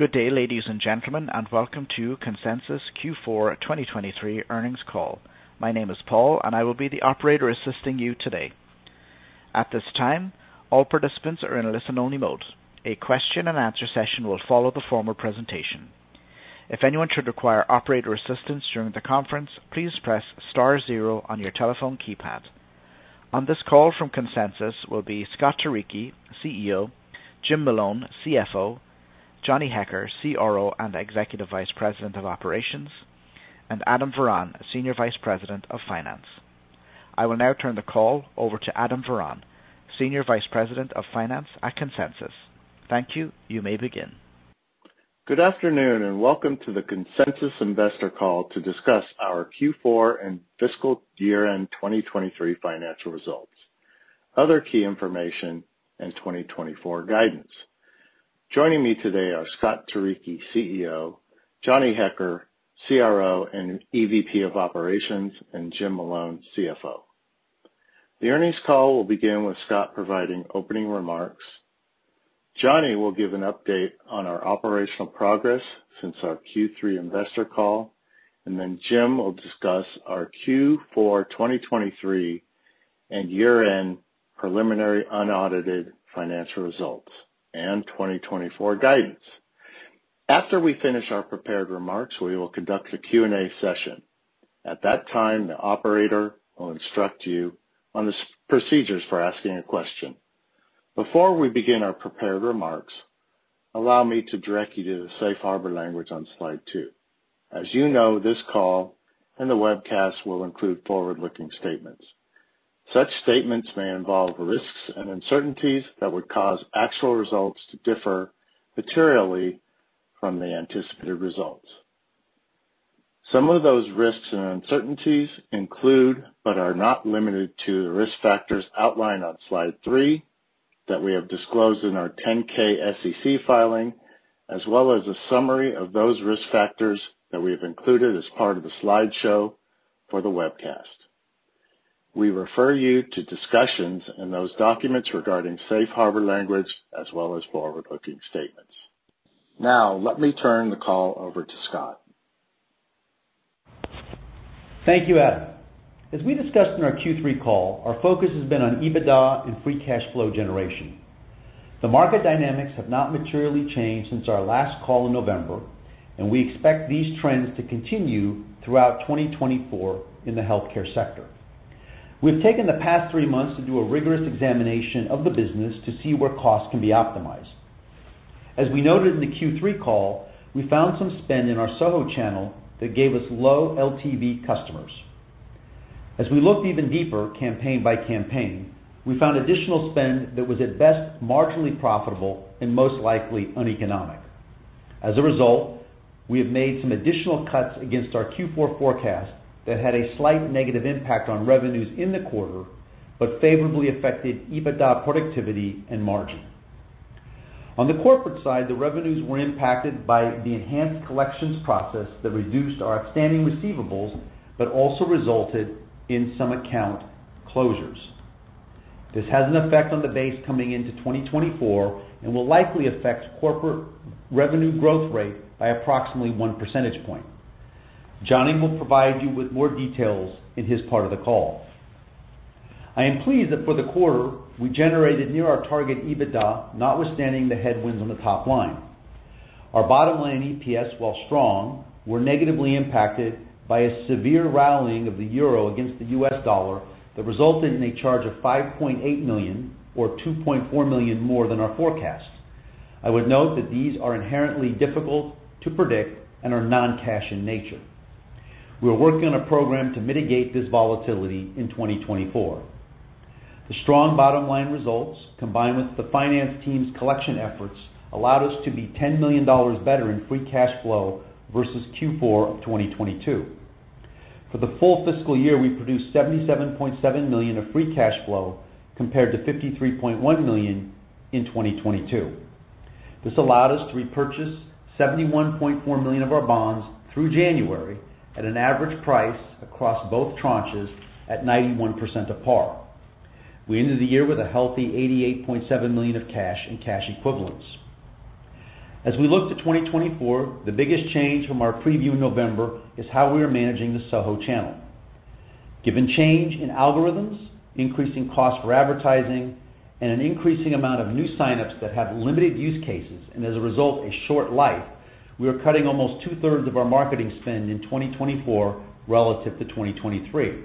Good day, ladies and gentlemen, and welcome to Consensus Q4 2023 earnings call. My name is Paul, and I will be the operator assisting you today. At this time, all participants are in a listen-only mode. A question-and-answer session will follow the formal presentation. If anyone should require operator assistance during the conference, please press star zero on your telephone keypad. On this call from Consensus will be Scott Turicchi, CEO; Jim Malone, CFO; Johnny Hecker, CRO and Executive Vice President of Operations; and Adam Varon, Senior Vice President of Finance. I will now turn the call over to Adam Varon, Senior Vice President of Finance at Consensus. Thank you. You may begin. Good afternoon and welcome to the Consensus investor call to discuss our Q4 and fiscal year-end 2023 financial results, other key information, and 2024 guidance. Joining me today are Scott Turicchi, CEO, Johnny Hecker, CRO and EVP of Operations, and Jim Malone, CFO. The earnings call will begin with Scott providing opening remarks. Johnny will give an update on our operational progress since our Q3 investor call, and then Jim will discuss our Q4 2023 and year-end preliminary unaudited financial results and 2024 guidance. After we finish our prepared remarks, we will conduct a Q&A session. At that time, the operator will instruct you on the procedures for asking a question. Before we begin our prepared remarks, allow me to direct you to the safe harbor language on slide two. As you know, this call and the webcast will include forward-looking statements. Such statements may involve risks and uncertainties that would cause actual results to differ materially from the anticipated results. Some of those risks and uncertainties include but are not limited to the risk factors outlined on slide three that we have disclosed in our 10-K SEC filing, as well as a summary of those risk factors that we have included as part of the slideshow for the webcast. We refer you to discussions in those documents regarding safe harbor language as well as forward-looking statements. Now, let me turn the call over to Scott. Thank you, Adam. As we discussed in our Q3 call, our focus has been on EBITDA and free cash flow generation. The market dynamics have not materially changed since our last call in November, and we expect these trends to continue throughout 2024 in the healthcare sector. We've taken the past three months to do a rigorous examination of the business to see where costs can be optimized. As we noted in the Q3 call, we found some spend in our SoHo channel that gave us low LTV customers. As we looked even deeper campaign by campaign, we found additional spend that was, at best, marginally profitable and most likely uneconomic. As a result, we have made some additional cuts against our Q4 forecast that had a slight negative impact on revenues in the quarter but favorably affected EBITDA productivity and margin. On the corporate side, the revenues were impacted by the enhanced collections process that reduced our outstanding receivables but also resulted in some account closures. This has an effect on the base coming into 2024 and will likely affect corporate revenue growth rate by approximately one percentage point. Johnny will provide you with more details in his part of the call. I am pleased that for the quarter, we generated near our target EBITDA, notwithstanding the headwinds on the top line. Our bottom line EPS, while strong, were negatively impacted by a severe rallying of the euro against the U.S. dollar that resulted in a charge of $5.8 million or $2.4 million more than our forecast. I would note that these are inherently difficult to predict and are non-cash in nature. We are working on a program to mitigate this volatility in 2024. The strong bottom line results, combined with the finance team's collection efforts, allowed us to be $10 million better in free cash flow versus Q4 of 2022. For the full fiscal year, we produced $77.7 million of free cash flow compared to $53.1 million in 2022. This allowed us to repurchase $71.4 million of our bonds through January at an average price across both tranches at 91% apart. We ended the year with a healthy $88.7 million of cash and cash equivalents. As we look to 2024, the biggest change from our preview in November is how we are managing the SoHo channel. Given change in algorithms, increasing costs for advertising, and an increasing amount of new signups that have limited use cases and, as a result, a short life, we are cutting almost two-thirds of our marketing spend in 2024 relative to 2023.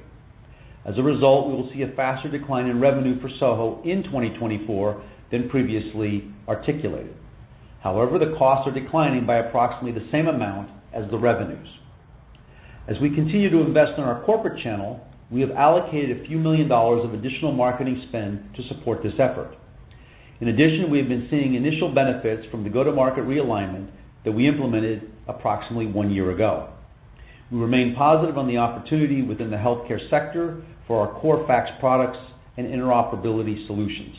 As a result, we will see a faster decline in revenue for SoHo in 2024 than previously articulated. However, the costs are declining by approximately the same amount as the revenues. As we continue to invest in our corporate channel, we have allocated a few million dollars of additional marketing spend to support this effort. In addition, we have been seeing initial benefits from the go-to-market realignment that we implemented approximately one year ago. We remain positive on the opportunity within the healthcare sector for our core fax products and interoperability solutions.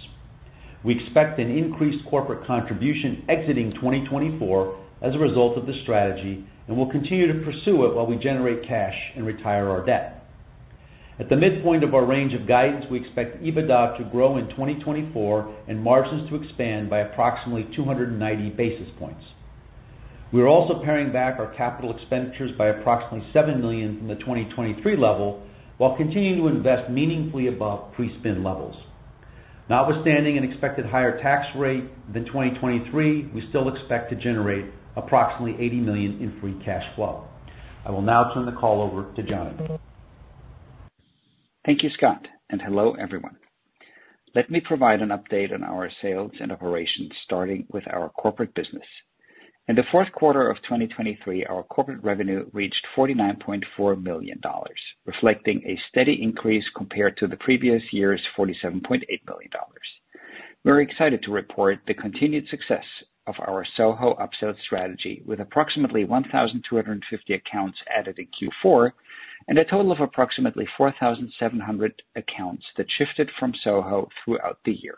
We expect an increased corporate contribution exiting 2024 as a result of this strategy and will continue to pursue it while we generate cash and retire our debt. At the midpoint of our range of guidance, we expect EBITDA to grow in 2024 and margins to expand by approximately 290 basis points. We are also paring back our capital expenditures by approximately $7 million from the 2023 level while continuing to invest meaningfully above pre-spin levels. Notwithstanding an expected higher tax rate than 2023, we still expect to generate approximately $80 million in free cash flow. I will now turn the call over to Johnny. Thank you, Scott, and hello, everyone. Let me provide an update on our sales and operations, starting with our corporate business. In the Q4 of 2023, our corporate revenue reached $49.4 million, reflecting a steady increase compared to the previous year's $47.8 million. We are excited to report the continued success of our SoHo upsell strategy with approximately 1,250 accounts added in Q4 and a total of approximately 4,700 accounts that shifted from SoHo throughout the year.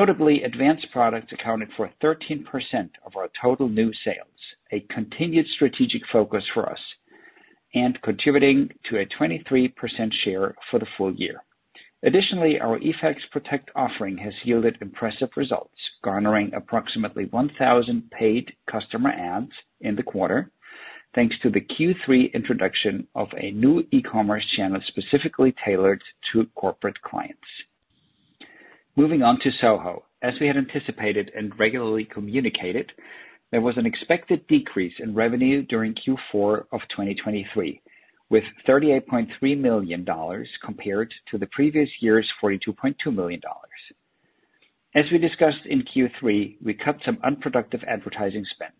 Notably, advanced products accounted for 13% of our total new sales, a continued strategic focus for us, and contributing to a 23% share for the full year. Additionally, our eFax Protect offering has yielded impressive results, garnering approximately 1,000 paid customer adds in the quarter thanks to the Q3 introduction of a new e-commerce channel specifically tailored to corporate clients. Moving on to SoHo, as we had anticipated and regularly communicated, there was an expected decrease in revenue during Q4 of 2023 with $38.3 million compared to the previous year's $42.2 million. As we discussed in Q3, we cut some unproductive advertising spend.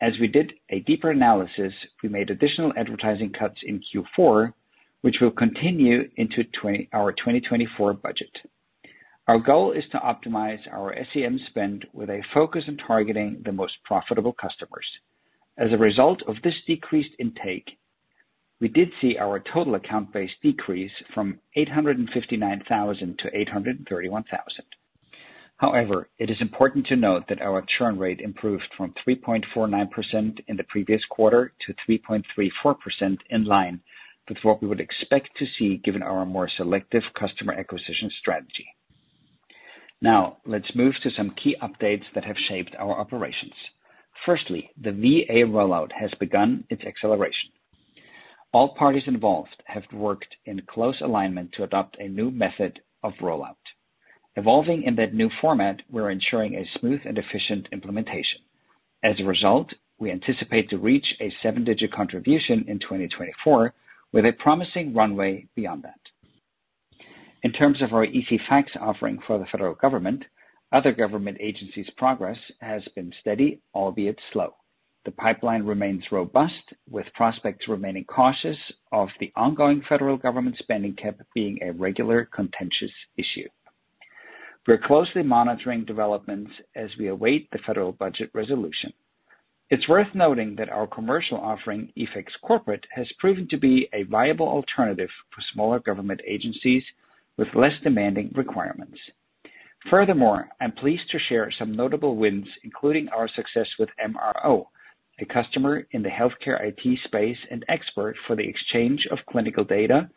As we did a deeper analysis, we made additional advertising cuts in Q4, which will continue into our 2024 budget. Our goal is to optimize our SEM spend with a focus on targeting the most profitable customers. As a result of this decreased intake, we did see our total account base decrease from 859,000 to 831,000. However, it is important to note that our churn rate improved from 3.49% in the previous quarter to 3.34% in line with what we would expect to see given our more selective customer acquisition strategy. Now, let's move to some key updates that have shaped our operations. Firstly, the VA rollout has begun its acceleration. All parties involved have worked in close alignment to adopt a new method of rollout. Evolving in that new format, we are ensuring a smooth and efficient implementation. As a result, we anticipate to reach a seven-digit contribution in 2024 with a promising runway beyond that. In terms of our ECFax offering for the federal government, other government agencies' progress has been steady, albeit slow. The pipeline remains robust, with prospects remaining cautious of the ongoing federal government spending cap being a regular, contentious issue. We are closely monitoring developments as we await the federal budget resolution. It's worth noting that our commercial offering, eFax Corporate, has proven to be a viable alternative for smaller government agencies with less demanding requirements. Furthermore, I'm pleased to share some notable wins, including our success with MRO, a customer in the healthcare IT space and expert for the exchange of clinical data,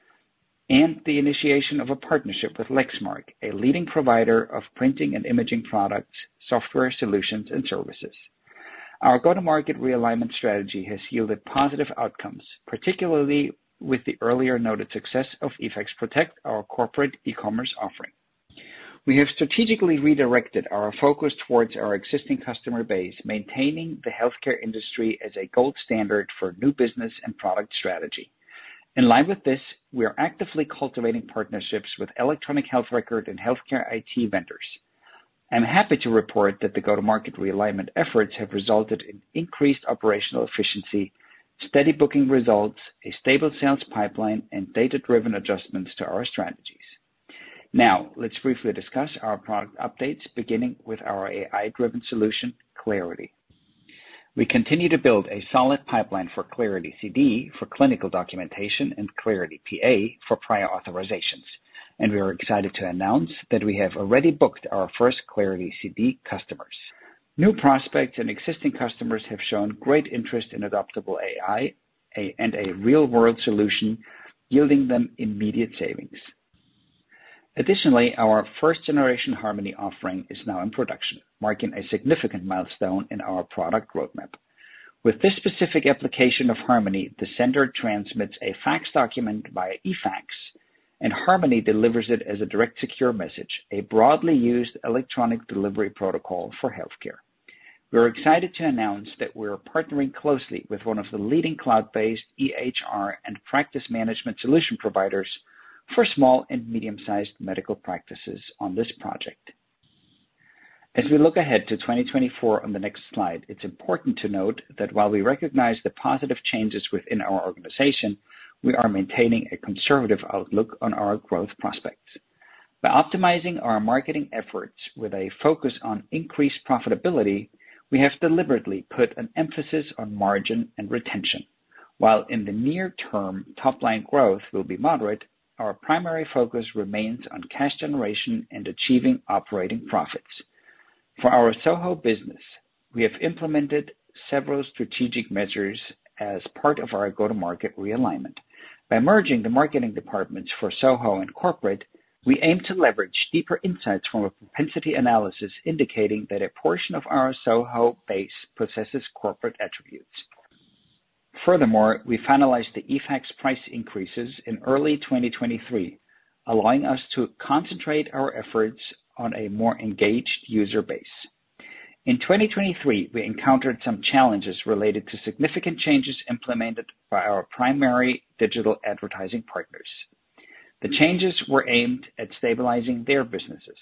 and the initiation of a partnership with Lexmark, a leading provider of printing and imaging products, software solutions, and services. Our go-to-market realignment strategy has yielded positive outcomes, particularly with the earlier noted success of eFax Protect, our corporate e-commerce offering. We have strategically redirected our focus towards our existing customer base, maintaining the healthcare industry as a gold standard for new business and product strategy. In line with this, we are actively cultivating partnerships with electronic health record and healthcare IT vendors. I'm happy to report that the go-to-market realignment efforts have resulted in increased operational efficiency, steady booking results, a stable sales pipeline, and data-driven adjustments to our strategies. Now, let's briefly discuss our product updates, beginning with our AI-driven solution, Clarity. We continue to build a solid pipeline for Clarity CD for clinical documentation and Clarity PA for prior authorizations, and we are excited to announce that we have already booked our first Clarity CD customers. New prospects and existing customers have shown great interest in adoptable AI and a real-world solution, yielding them immediate savings. Additionally, our first-generation Harmony offering is now in production, marking a significant milestone in our product roadmap. With this specific application of Harmony, the sender transmits a fax document via eFax, and Harmony delivers it as a direct secure message, a broadly used electronic delivery protocol for healthcare. We are excited to announce that we are partnering closely with one of the leading cloud-based EHR and practice management solution providers for small and medium-sized medical practices on this project. As we look ahead to 2024 on the next slide, it's important to note that while we recognize the positive changes within our organization, we are maintaining a conservative outlook on our growth prospects. By optimizing our marketing efforts with a focus on increased profitability, we have deliberately put an emphasis on margin and retention. While in the near term, top-line growth will be moderate, our primary focus remains on cash generation and achieving operating profits. For our SoHo business, we have implemented several strategic measures as part of our go-to-market realignment. By merging the marketing departments for SoHo and Corporate, we aim to leverage deeper insights from a propensity analysis indicating that a portion of our SoHo base possesses corporate attributes. Furthermore, we finalized the eFax's price increases in early 2023, allowing us to concentrate our efforts on a more engaged user base. In 2023, we encountered some challenges related to significant changes implemented by our primary digital advertising partners. The changes were aimed at stabilizing their businesses,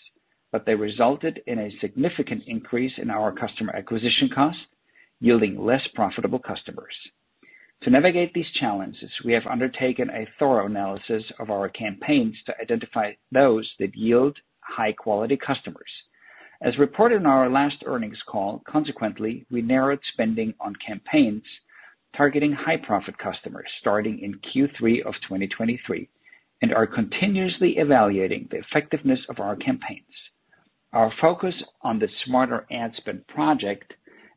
but they resulted in a significant increase in our customer acquisition costs, yielding less profitable customers. To navigate these challenges, we have undertaken a thorough analysis of our campaigns to identify those that yield high-quality customers. As reported in our last earnings call, consequently, we narrowed spending on campaigns targeting high-profit customers starting in Q3 of 2023 and are continuously evaluating the effectiveness of our campaigns. Our focus on the Smarter Ad Spend project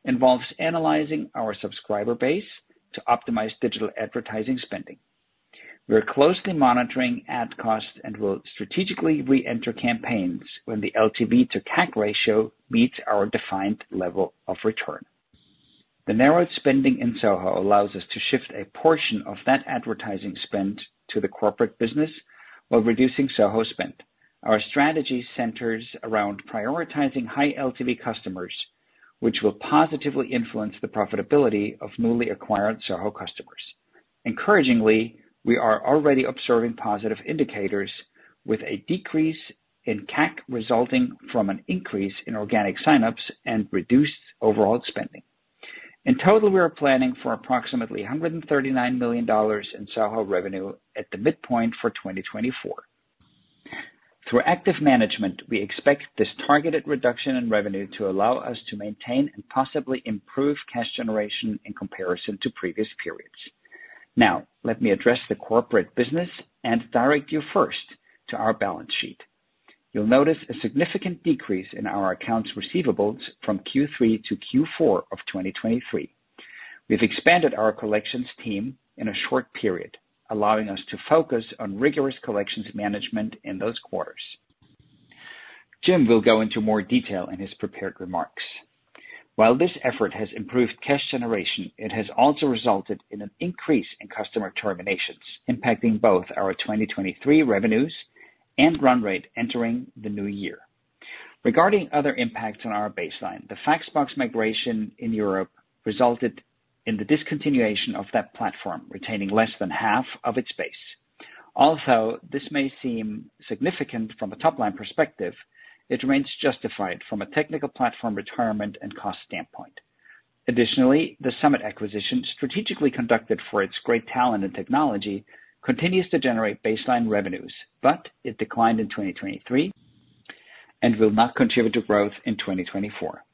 involves analyzing our subscriber base to optimize digital advertising spending. We are closely monitoring ad costs and will strategically re-enter campaigns when the LTV-to-CAC ratio meets our defined level of return. The narrowed spending in SoHo allows us to shift a portion of that advertising spend to the corporate business while reducing SoHo spend. Our strategy centers around prioritizing high LTV customers, which will positively influence the profitability of newly acquired SoHo customers. Encouragingly, we are already observing positive indicators with a decrease in CAC resulting from an increase in organic signups and reduced overall spending. In total, we are planning for approximately $139 million in SoHo revenue at the midpoint for 2024. Through active management, we expect this targeted reduction in revenue to allow us to maintain and possibly improve cash generation in comparison to previous periods. Now, let me address the corporate business and direct you first to our balance sheet. You'll notice a significant decrease in our accounts receivable from Q3 to Q4 of 2023. We've expanded our collections team in a short period, allowing us to focus on rigorous collections management in those quarters. Jim will go into more detail in his prepared remarks. While this effort has improved cash generation, it has also resulted in an increase in customer terminations, impacting both our 2023 revenues and run rate entering the new year. Regarding other impacts on our baseline, the FaxBox migration in Europe resulted in the discontinuation of that platform, retaining less than half of its base. Although this may seem significant from a top-line perspective, it remains justified from a technical platform retirement and cost standpoint. Additionally, the Summit acquisition strategically conducted for its great talent and technology continues to generate baseline revenues, but it declined in 2023 and will not contribute to growth in 2024.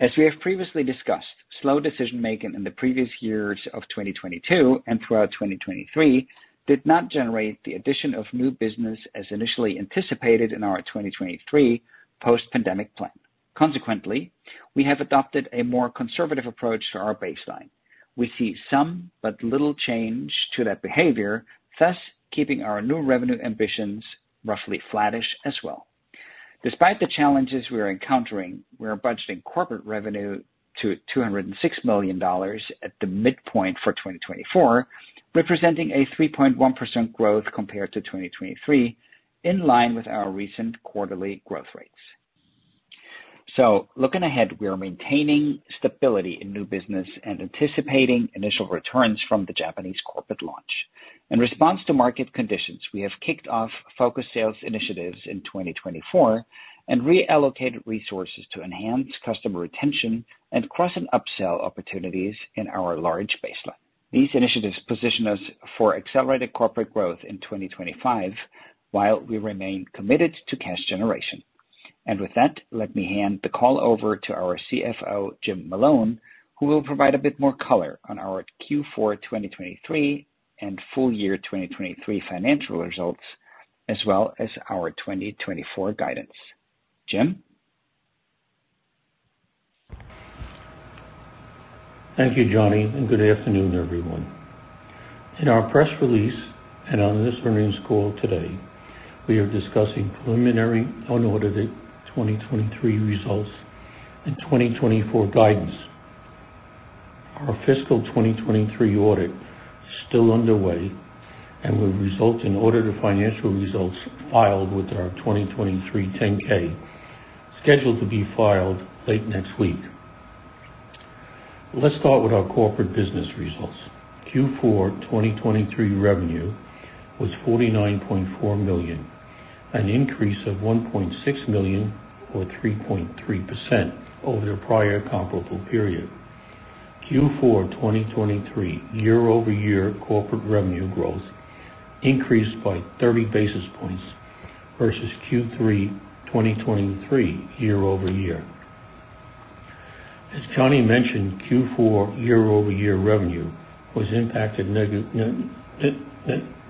As we have previously discussed, slow decision-making in the previous years of 2022 and throughout 2023 did not generate the addition of new business as initially anticipated in our 2023 post-pandemic plan. Consequently, we have adopted a more conservative approach to our baseline. We see some but little change to that behavior, thus keeping our new revenue ambitions roughly flattish as well. Despite the challenges we are encountering, we are budgeting corporate revenue to $206 million at the midpoint for 2024, representing a 3.1% growth compared to 2023 in line with our recent quarterly growth rates. Looking ahead, we are maintaining stability in new business and anticipating initial returns from the Japanese corporate launch. In response to market conditions, we have kicked off focused sales initiatives in 2024 and reallocated resources to enhance customer retention and cross-and-upsell opportunities in our large baseline. These initiatives position us for accelerated corporate growth in 2025 while we remain committed to cash generation. With that, let me hand the call over to our CFO, Jim Malone, who will provide a bit more color on our Q4 2023 and full year 2023 financial results as well as our 2024 guidance. Jim? Thank you, Johnny, and good afternoon, everyone. In our press release and on this earnings call today, we are discussing preliminary unaudited 2023 results and 2024 guidance. Our fiscal 2023 audit is still underway, and will result in audited financial results filed with our 2023 10-K, scheduled to be filed late next week. Let's start with our corporate business results. Q4 2023 revenue was $49.4 million, an increase of $1.6 million or 3.3% over the prior comparable period. Q4 2023 year-over-year corporate revenue growth increased by 30 basis points versus Q3 2023 year-over-year. As Johnny mentioned, Q4 year-over-year revenue was impacted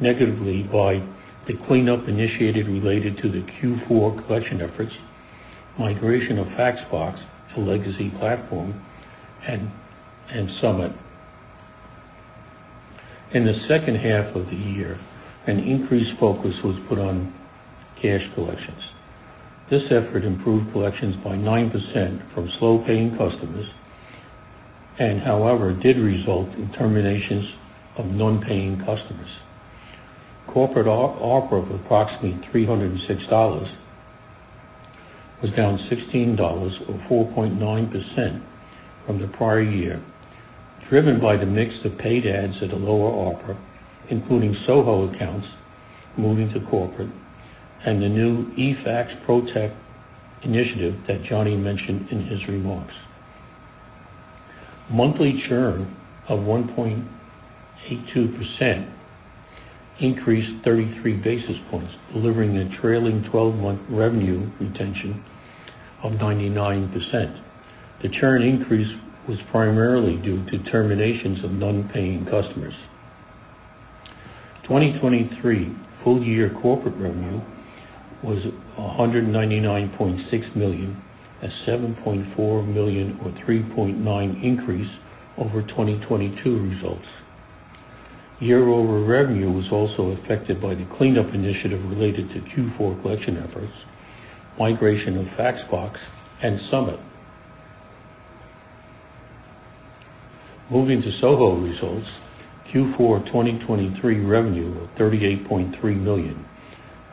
negatively by the cleanup initiated related to the Q4 collection efforts, migration of FaxBox to legacy platform, and Summit. In the second half of the year, an increased focus was put on cash collections. This effort improved collections by 9% from slow-paying customers and, however, did result in terminations of non-paying customers. Corporate ARPA of approximately $306 was down $16 or 4.9% from the prior year, driven by the mix of paid ads at a lower ARPA, including SoHo accounts moving to corporate and the new eFax Protect initiative that Johnny mentioned in his remarks. Monthly churn of 1.82% increased 33 basis points, delivering a trailing 12-month revenue retention of 99%. The churn increase was primarily due to terminations of non-paying customers. 2023 full year corporate revenue was $199.6 million, a $7.4 million or 3.9% increase over 2022 results. Year-over-year revenue was also affected by the cleanup initiative related to Q4 collection efforts, migration of FaxBox, and Summit. Moving to SoHo results, Q4 2023 revenue of $38.3 million,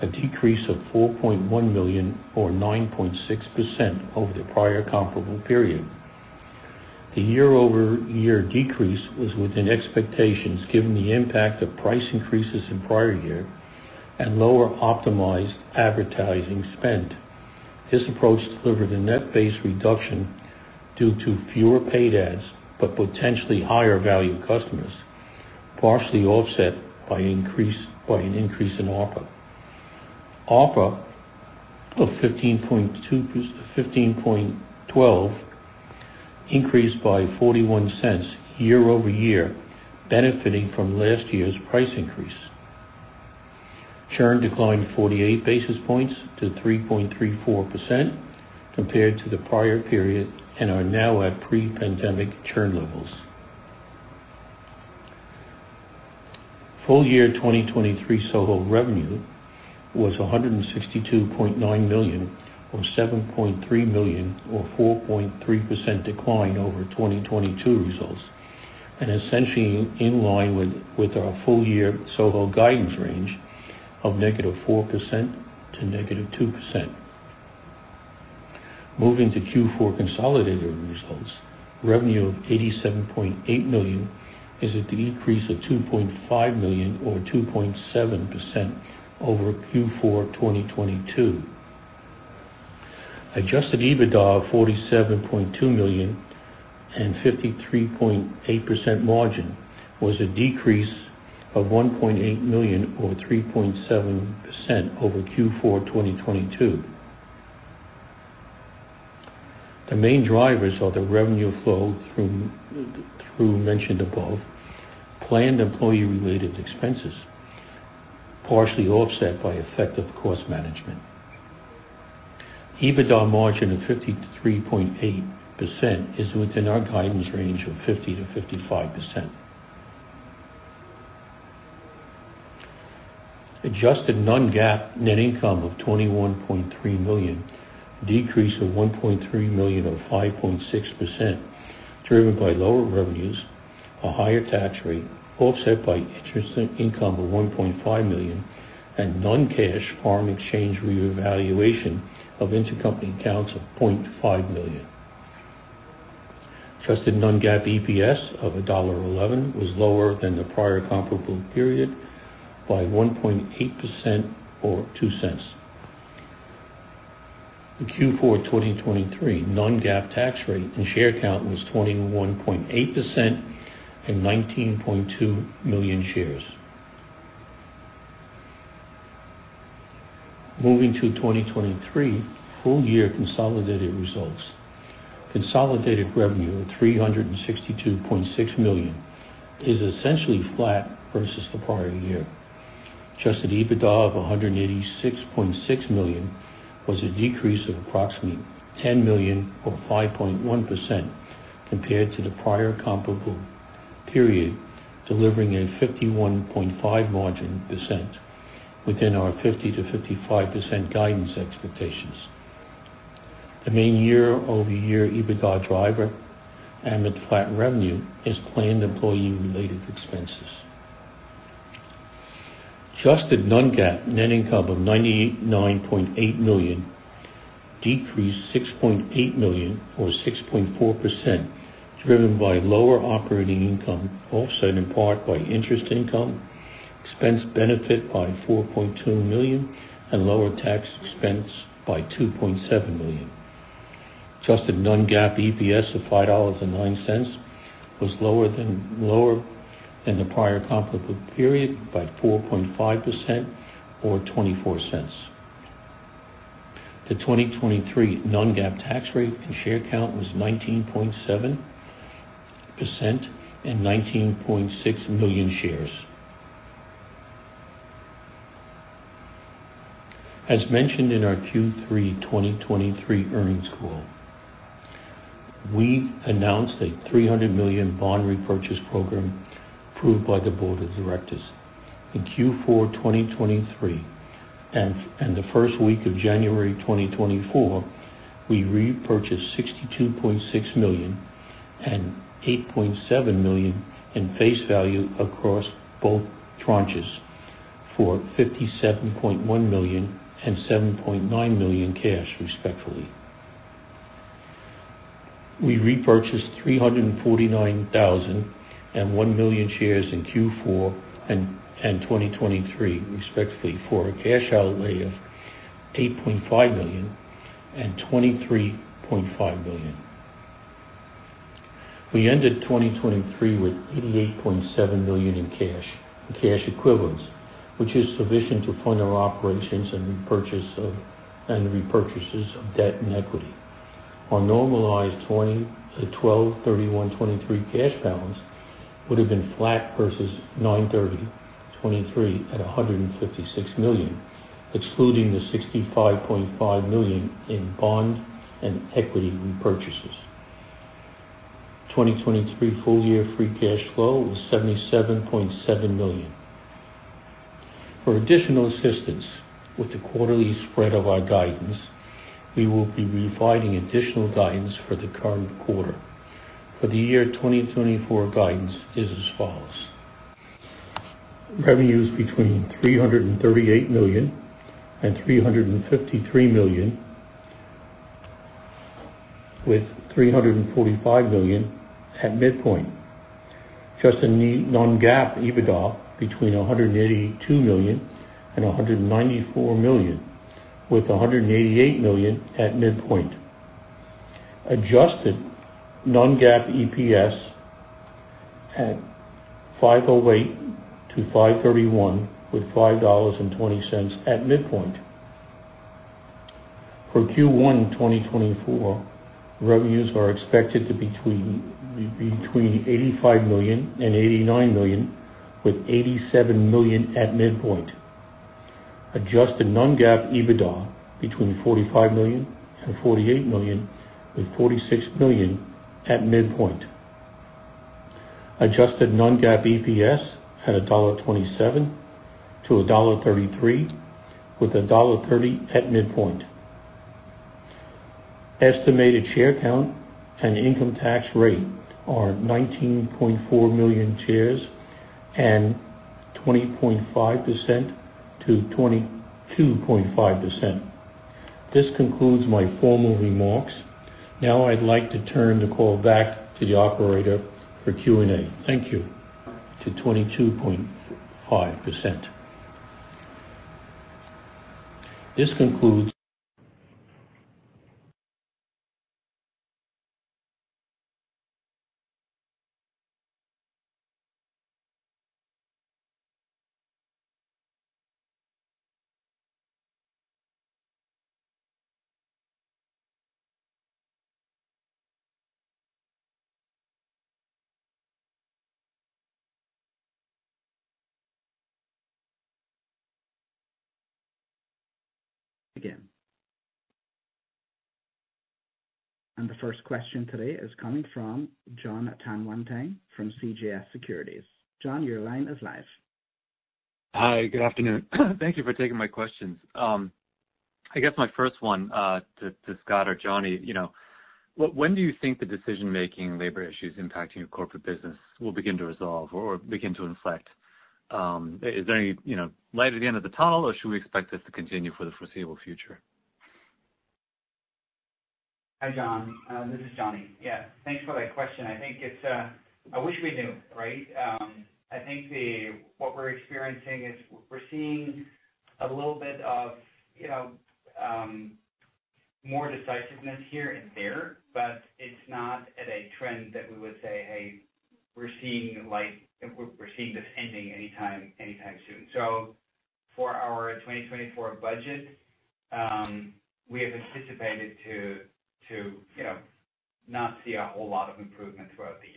a decrease of $4.1 million or 9.6% over the prior comparable period. The year-over-year decrease was within expectations given the impact of price increases in prior year and lower optimized advertising spend. This approach delivered a net-based reduction due to fewer paid ads but potentially higher-value customers, partially offset by an increase in ARPA. ARPA of $15.12 increased by $0.41 year-over-year, benefiting from last year's price increase. Churn declined 48 basis points to 3.34% compared to the prior period and are now at pre-pandemic churn levels. Full year 2023 SoHo revenue was $162.9 million or $7.3 million or 4.3% decline over 2022 results, and essentially in line with our full year SoHo guidance range of -4% - -2%. Moving to Q4 consolidated results, revenue of $87.8 million is a decrease of $2.5 million or 2.7% over Q4 2022. Adjusted EBITDA of $47.2 million and 53.8% margin was a decrease of $1.8 million or 3.7% over Q4 2022. The main drivers are the revenue flow through mentioned above, planned employee-related expenses, partially offset by effective cost management. EBITDA margin of 53.8% is within our guidance range of 50%-55%. Adjusted non-GAAP net income of $21.3 million, decrease of $1.3 million or 5.6%, driven by lower revenues, a higher tax rate, offset by interest income of $1.5 million, and non-cash foreign exchange reevaluation of intercompany accounts of $0.5 million. Adjusted non-GAAP EPS of $1.11 was lower than the prior comparable period by 1.8% or $0.02. The Q4 2023 non-GAAP tax rate and share count was 21.8% and 19.2 million shares. Moving to 2023 full year consolidated results, consolidated revenue of $362.6 million is essentially flat versus the prior year. Adjusted EBITDA of $186.6 million was a decrease of approximately $10 million or 5.1% compared to the prior comparable period, delivering a 51.5% margin within our 50%-55% guidance expectations. The main year-over-year EBITDA driver amid flat revenue is planned employee-related expenses. Adjusted non-GAAP net income of $99.8 million decreased $6.8 million or 6.4%, driven by lower operating income, offset in part by interest expense benefit by $4.2 million, and lower tax expense by $2.7 million. Adjusted non-GAAP EPS of $5.09 was lower than the prior comparable period by 4.5% or $0.24. The 2023 non-GAAP tax rate and share count was 19.7% and 19.6 million shares. As mentioned in our Q3 2023 earnings call, we announced a $300 million bond repurchase program approved by the board of directors. In Q4 2023 and the first week of January 2024, we repurchased $62.6 million and $8.7 million in face value across both tranches for $57.1 million and $7.9 million cash, respectively. We repurchased 349,000 and 1 million shares in Q4 and 2023, respectively, for a cash outlay of $8.5 million and $23.5 million. We ended 2023 with $88.7 million in cash equivalents, which is sufficient to fund our operations and repurchases of debt and equity. Our normalized 12/31/2023 cash balance would have been flat versus 09/30/2023 at $156 million, excluding the $65.5 million in bond and equity repurchases. 2023 full year free cash flow was $77.7 million. For additional assistance with the quarterly spread of our guidance, we will be providing additional guidance for the current quarter. For the year 2024 guidance is as follows. Revenues between $338 million and $353 million, with $345 million at midpoint. Just a non-GAAP EBITDA between $182 million and $194 million, with $188 million at midpoint. Adjusted non-GAAP EPS at $5.08-$5.31, with $5.20 at midpoint. For Q1 2024, revenues are expected to be between $85 million and $89 million, with $87 million at midpoint. Adjusted non-GAAP EBITDA between $45 million and $48 million, with $46 million at midpoint. Adjusted non-GAAP EPS at $1.27-$1.33, with $1.30 at midpoint. Estimated share count and income tax rate are 19.4 million shares and 20.5%-22.5%. This concludes my formal remarks. Now I'd like to turn the call back to the operator for Q&A. Thank you. And the first question today is coming from Jon Tanwanteng from CJS Securities. Jon, your line is live. Hi. Good afternoon. Thank you for taking my questions. I guess my first one to Scott or Johnny, when do you think the decision-making labor issues impacting your corporate business will begin to resolve or begin to inflect? Is there any light at the end of the tunnel, or should we expect this to continue for the foreseeable future? Hi, Jon. This is Johnny. Yeah. Thanks for that question. I wish we knew, right? I think what we're experiencing is we're seeing a little bit of more decisiveness here and there, but it's not at a trend that we would say, "Hey, we're seeing this ending anytime soon." So for our 2024 budget, we have anticipated to not see a whole lot of improvement throughout the year.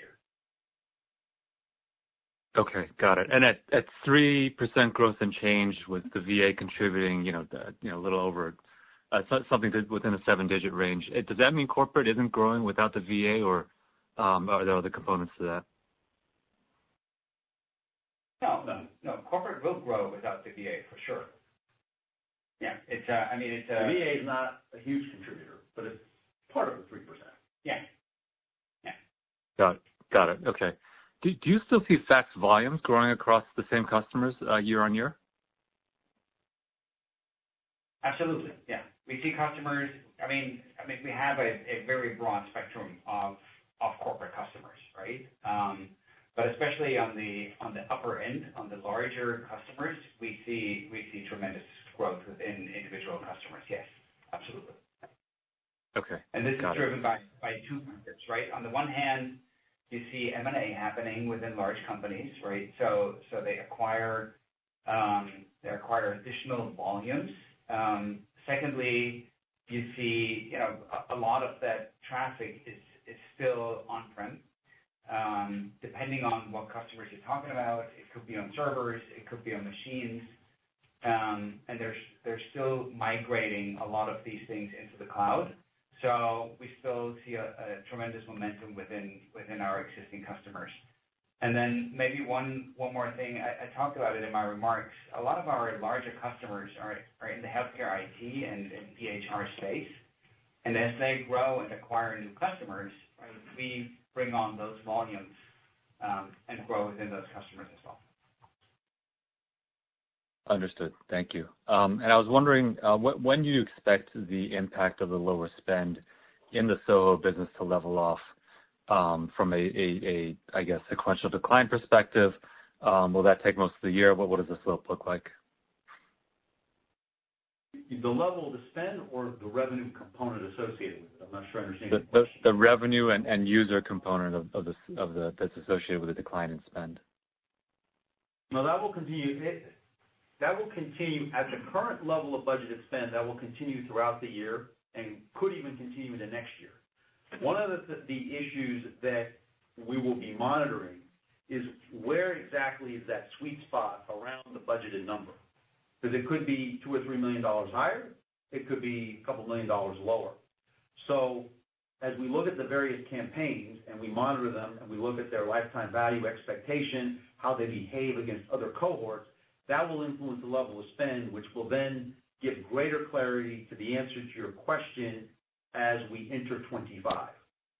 Okay. Got it. At 3% growth and change with the VA contributing a little over something within the seven-digit range, does that mean corporate isn't growing without the VA, or are there other components to that? No. No. No. Corporate will grow without the VA, for sure. Yeah. I mean, it's. The VA is not a huge contributor, but it's part of the 3%. Yeah. Yeah. Got it. Got it. Okay. Do you still see fax volumes growing across the same customers year-over-year? Absolutely. Yeah. We see customers. I mean, we have a very broad spectrum of corporate customers, right? But especially on the upper end, on the larger customers, we see tremendous growth within individual customers. Yes. Absolutely. And this is driven by two factors, right? On the one hand, you see M&A happening within large companies, right? So they acquire additional volumes. Secondly, you see a lot of that traffic is still on-prem. Depending on what customers you're talking about, it could be on servers. It could be on machines. And they're still migrating a lot of these things into the cloud. So we still see a tremendous momentum within our existing customers. And then maybe one more thing. I talked about it in my remarks. A lot of our larger customers are in the healthcare IT and PHR space. And as they grow and acquire new customers, we bring on those volumes and grow within those customers as well. Understood. Thank you. And I was wondering, when do you expect the impact of the lower spend in the SoHo business to level off from a, I guess, sequential decline perspective? Will that take most of the year? What does this look like? The level of the spend or the revenue component associated with it? I'm not sure I understand you. The revenue and user component that's associated with the decline in spend. No, that will continue. That will continue at the current level of budgeted spend. That will continue throughout the year and could even continue into next year. One of the issues that we will be monitoring is where exactly is that sweet spot around the budgeted number? Because it could be $2 million or $3 million higher. It could be $2 million lower. So as we look at the various campaigns and we monitor them and we look at their lifetime value expectation, how they behave against other cohorts, that will influence the level of spend, which will then give greater clarity to the answer to your question as we enter 2025.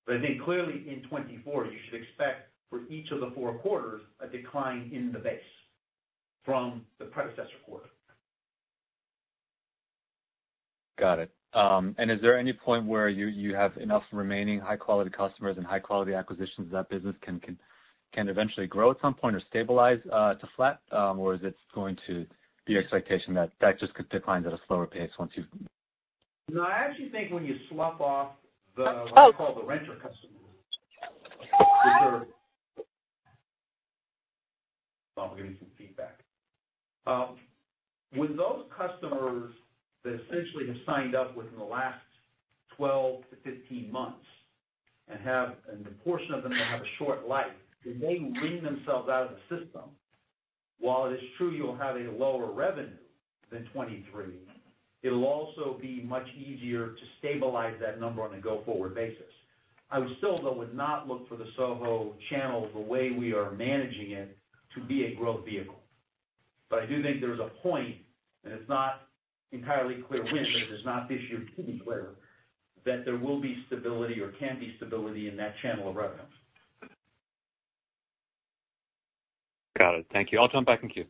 But I think clearly in 2024, you should expect for each of the four quarters a decline in the base from the predecessor quarter. Got it. And is there any point where you have enough remaining high-quality customers and high-quality acquisitions that business can eventually grow at some point or stabilize to flat, or is it going to be your expectation that that just declines at a slower pace once you've? No, I actually think when you slough off the what we call the renter customers which are Oh, I'm getting some feedback. When those customers that essentially have signed up within the last 12-15 months and have and a portion of them will have a short life, when they wring themselves out of the system, while it is true you'll have a lower revenue than 2023, it'll also be much easier to stabilize that number on a go-forward basis. I would still, though, would not look for the SoHo channel the way we are managing it to be a growth vehicle. But I do think there's a point, and it's not entirely clear when, but it is not this year to be clear, that there will be stability or can be stability in that channel of revenue. Got it. Thank you. I'll jump back and queue.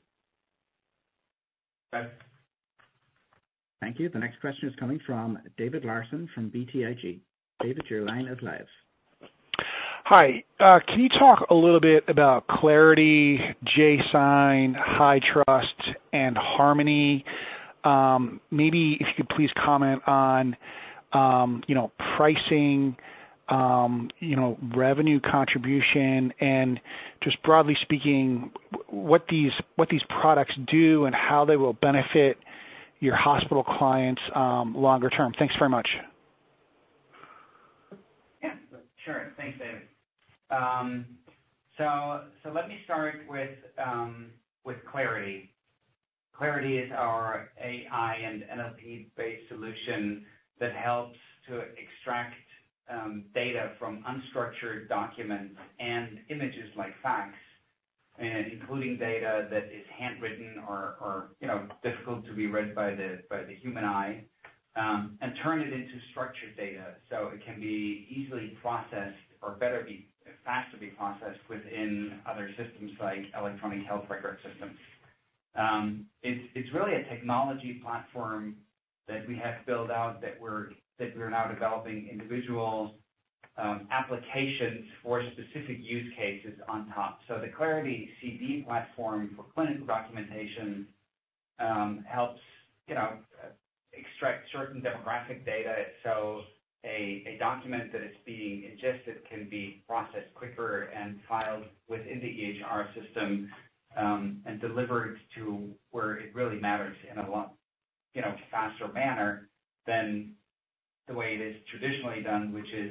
Okay. Thank you. The next question is coming from David Larson from BTIG. David, your line is live. Hi. Can you talk a little bit about Clarity, jSign, HITRUST, and Harmony? Maybe if you could please comment on pricing, revenue contribution, and just broadly speaking, what these products do and how they will benefit your hospital clients longer term. Thanks very much. Yeah. Sure. Thanks, David. So let me start with Clarity. Clarity is our AI and NLP-based solution that helps to extract data from unstructured documents and images like fax, including data that is handwritten or difficult to be read by the human eye, and turn it into structured data so it can be easily processed or better be faster be processed within other systems like electronic health record systems. It's really a technology platform that we have built out that we're now developing individual applications for specific use cases on top. So the Clarity CD platform for clinical documentation helps extract certain demographic data so a document that is being ingested can be processed quicker and filed within the EHR system and delivered to where it really matters in a faster manner than the way it is traditionally done, which is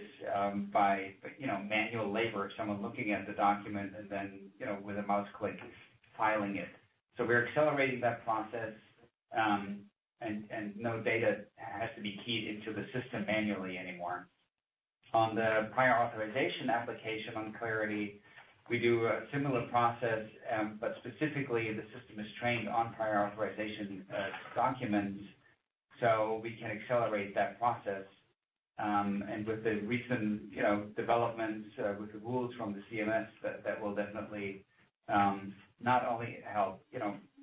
by manual labor of someone looking at the document and then with a mouse click filing it. So we're accelerating that process, and no data has to be keyed into the system manually anymore. On the prior authorization application on Clarity, we do a similar process, but specifically, the system is trained on prior authorization documents, so we can accelerate that process. With the recent developments with the rules from the CMS, that will definitely not only help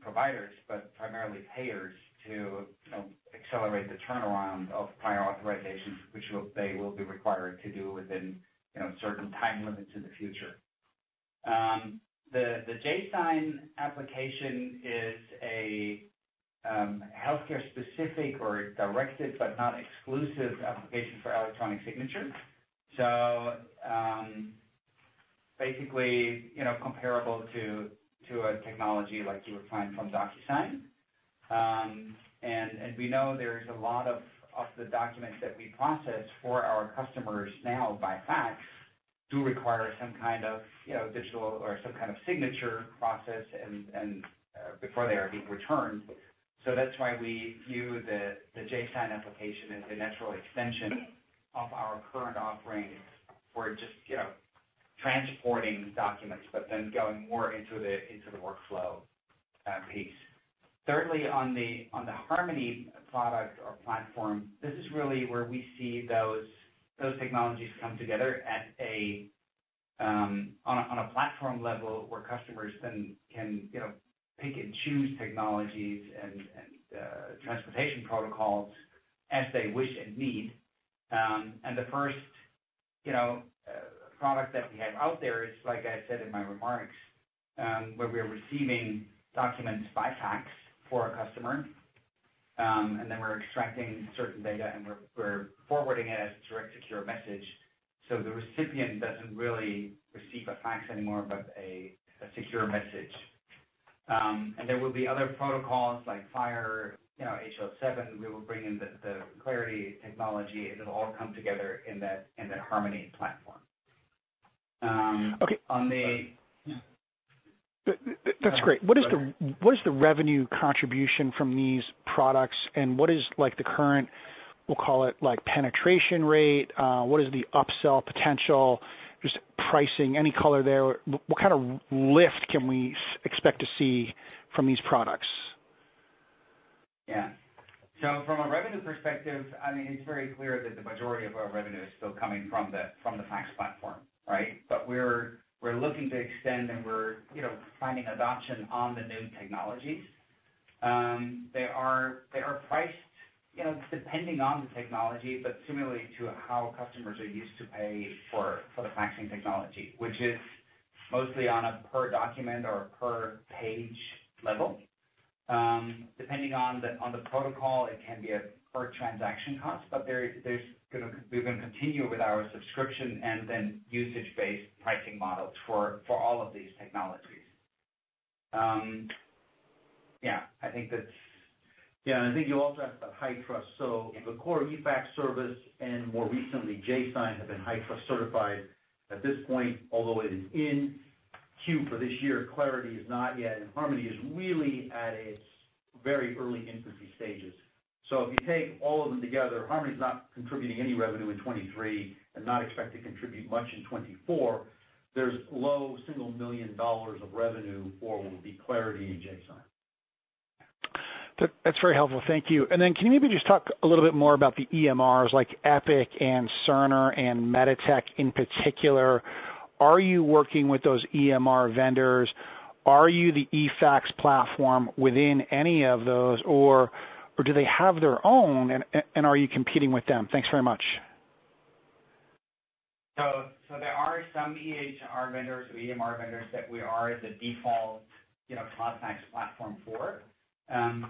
providers but primarily payers to accelerate the turnaround of prior authorizations, which they will be required to do within certain time limits in the future. The jSign application is a healthcare-specific or directed but not exclusive application for electronic signature, so basically comparable to a technology like you would find from DocuSign. We know there's a lot of the documents that we process for our customers now by fax do require some kind of digital or some kind of signature process before they are being returned. That's why we view the jSign application as a natural extension of our current offering for just transporting documents but then going more into the workflow piece. Thirdly, on the Harmony product or platform, this is really where we see those technologies come together on a platform level where customers then can pick and choose technologies and transportation protocols as they wish and need. And the first product that we have out there is, like I said in my remarks, where we are receiving documents by fax for a customer, and then we're extracting certain data, and we're forwarding it as a direct secure message so the recipient doesn't really receive a fax anymore but a secure message. And there will be other protocols like FHIR HL7. We will bring in the Clarity technology. It'll all come together in that Harmony platform. On the Yeah. That's great. What is the revenue contribution from these products, and what is the current, we'll call it, penetration rate? What is the upsell potential? Just pricing, any color there. What kind of lift can we expect to see from these products? Yeah. So from a revenue perspective, I mean, it's very clear that the majority of our revenue is still coming from the fax platform, right? But we're looking to extend, and we're finding adoption on the new technologies. They are priced depending on the technology but similarly to how customers are used to pay for the faxing technology, which is mostly on a per-document or per-page level. Depending on the protocol, it can be a per-transaction cost, but we're going to continue with our subscription and then usage-based pricing models for all of these technologies. Yeah. I think that's Yeah. And I think you also asked about HITRUST. So the core eFax service and more recently, jSign have been HITRUST-certified at this point, although it is in queue for this year. Clarity is not yet. Harmony is really at its very early infancy stages. So if you take all of them together, Harmony is not contributing any revenue in 2023 and not expect to contribute much in 2024. There's low $1 million of revenue for what will be Clarity and jSign. That's very helpful. Thank you. And then can you maybe just talk a little bit more about the EMRs like Epic and Cerner and MEDITECH in particular? Are you working with those EMR vendors? Are you the eFax platform within any of those, or do they have their own, and are you competing with them? Thanks very much. So there are some EHR vendors, EMR vendors, that we are the default contact platform for,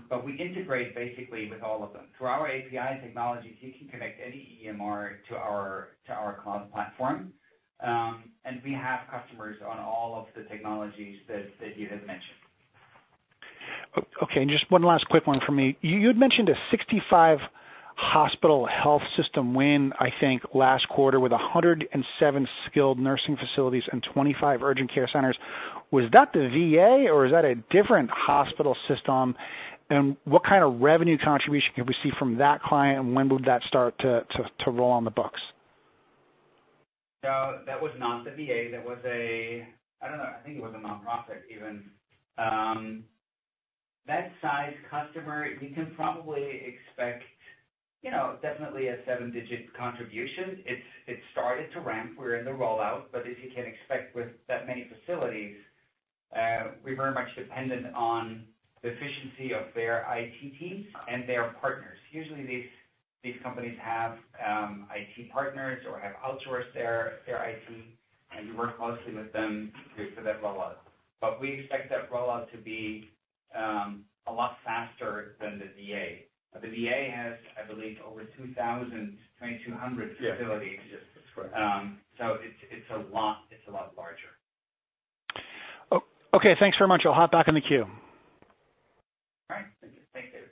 but we integrate basically with all of them. Through our API technologies, you can connect any EMR to our cloud platform. We have customers on all of the technologies that you have mentioned. Okay. And just one last quick one from me. You had mentioned a 65-hospital health system win, I think, last quarter with 107 skilled nursing facilities and 25 urgent care centers. Was that the VA, or is that a different hospital system? And what kind of revenue contribution can we see from that client, and when would that start to roll on the books? No, that was not the VA. That was a I don't know. I think it was a nonprofit even. That size customer, you can probably expect definitely a seven-digit contribution. It's started to ramp. We're in the rollout. But as you can expect with that many facilities, we're very much dependent on the efficiency of their IT teams and their partners. Usually, these companies have IT partners or have outsourced their IT, and you work closely with them for that rollout. But we expect that rollout to be a lot faster than the VA. The VA has, I believe, over 2,000-2,200 facilities. That's correct. So it's a lot. It's a lot larger. Okay. Thanks very much. I'll hop back in the queue. All right. Thank you. Thanks, David.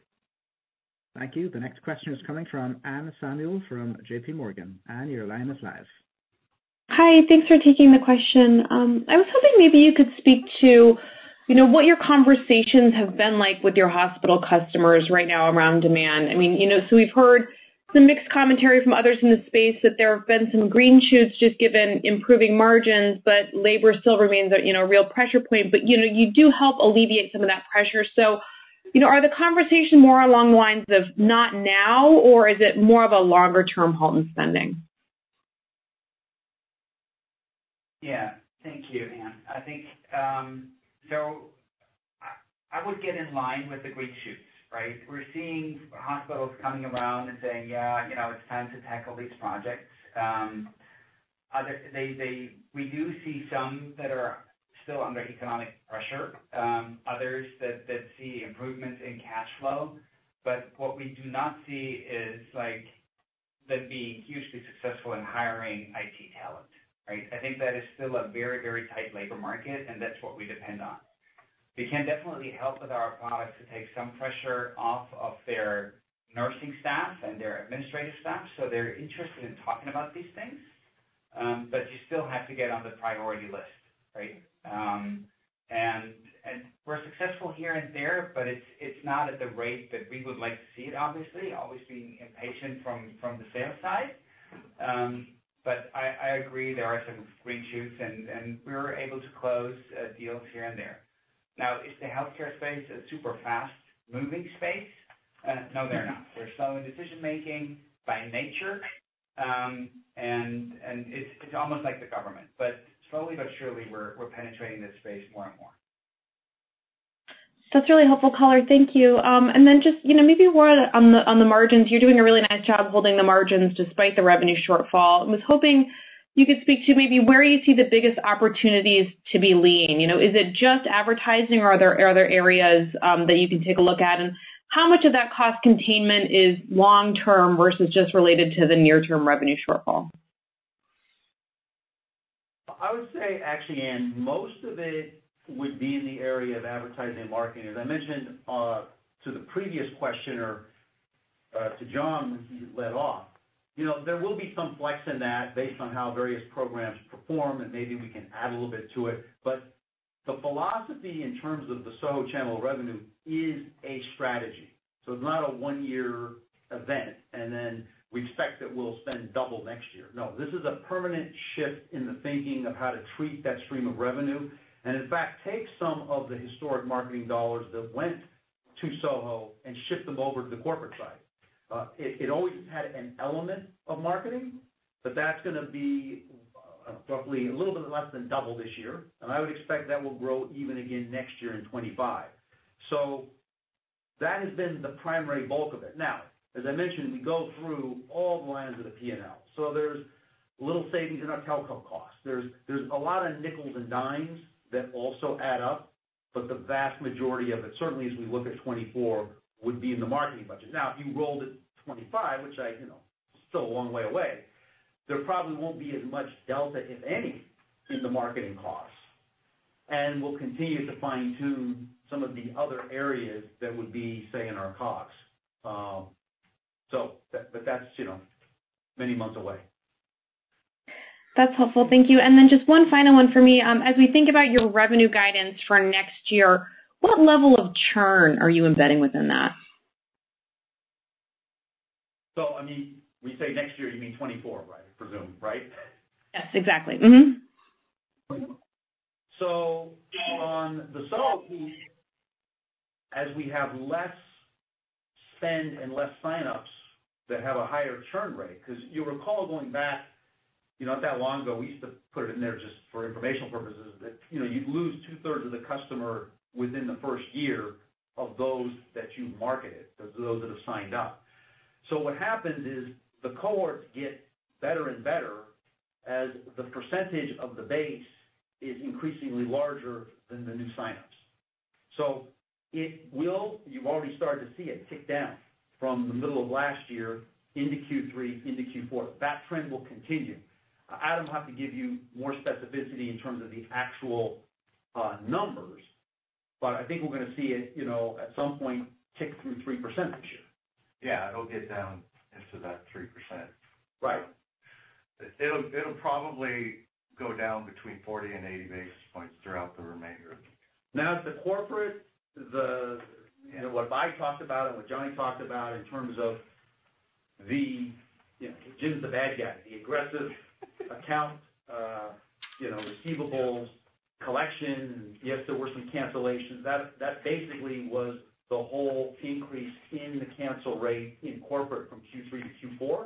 Thank you. The next question is coming from Anne Samuel from JPMorgan. Anne, your line is live. Hi. Thanks for taking the question. I was hoping maybe you could speak to what your conversations have been like with your hospital customers right now around demand. I mean, so we've heard some mixed commentary from others in the space that there have been some green shoots just given improving margins but labor still remains a real pressure point. But you do help alleviate some of that pressure. So are the conversations more along the lines of not now, or is it more of a longer-term halt in spending? Yeah. Thank you, Anne. So I would get in line with the green shoots, right? We're seeing hospitals coming around and saying, "Yeah, it's time to tackle these projects." We do see some that are still under economic pressure, others that see improvements in cash flow. But what we do not see is them being hugely successful in hiring IT talent, right? I think that is still a very, very tight labor market, and that's what we depend on. We can definitely help with our products to take some pressure off of their nursing staff and their administrative staff so they're interested in talking about these things. But you still have to get on the priority list, right? We're successful here and there, but it's not at the rate that we would like to see it, obviously, always being impatient from the sales side. But I agree there are some green shoots, and we were able to close deals here and there. Now, is the healthcare space a super fast-moving space? No, they're not. They're slow in decision-making by nature, and it's almost like the government. But slowly but surely, we're penetrating this space more and more. That's really helpful, caller. Thank you. And then just maybe we're on the margins. You're doing a really nice job holding the margins despite the revenue shortfall. I was hoping you could speak to maybe where you see the biggest opportunities to be lean. Is it just advertising, or are there areas that you can take a look at? How much of that cost containment is long-term versus just related to the near-term revenue shortfall? I would say actually, Anne, most of it would be in the area of advertising and marketing. As I mentioned to the previous questioner, to Jon when he led off, there will be some flex in that based on how various programs perform, and maybe we can add a little bit to it. But the philosophy in terms of the SoHo channel of revenue is a strategy. So it's not a one-year event, and then we expect that we'll spend double next year. No. This is a permanent shift in the thinking of how to treat that stream of revenue and, in fact, take some of the historic marketing dollars that went to SoHo and shift them over to the corporate side. It always had an element of marketing, but that's going to be roughly a little bit less than double this year. And I would expect that will grow even again next year in 2025. So that has been the primary bulk of it. Now, as I mentioned, we go through all the lines of the P&L. So there's little savings in our telco costs. There's a lot of nickels and dimes that also add up, but the vast majority of it, certainly as we look at 2024, would be in the marketing budget. Now, if you rolled it 2025, which is still a long way away, there probably won't be as much delta, if any, in the marketing costs and we'll continue to fine-tune some of the other areas that would be, say, in our COGS. But that's many months away. That's helpful. Thank you. Just one final one for me. As we think about your revenue guidance for next year, what level of churn are you embedding within that? So I mean, when you say next year, you mean 2024, right, presume, right? Yes. Exactly. So on the SoHo piece, as we have less spend and less sign-ups, that have a higher churn rate because you'll recall going back not that long ago, we used to put it in there just for informational purposes that you'd lose two-thirds of the customer within the first year of those that you've marketed, those that have signed up. So what happens is the cohorts get better and better as the percentage of the base is increasingly larger than the new sign-ups. So you've already started to see it tick down from the middle of last year into Q3, into Q4. That trend will continue. Adam, I'll have to give you more specificity in terms of the actual numbers, but I think we're going to see it at some point tick through 3% this year. Yeah. It'll get down into that 3%. It'll probably go down between 40 and 80 basis points throughout the remainder of the year. Now, as the corporate, what I talked about and what Johnny talked about in terms of Jim's the bad guy, the aggressive account receivables collection, yes, there were some cancellations, that basically was the whole increase in the cancel rate in corporate from Q3 to Q4.